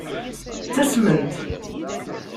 Ttasment.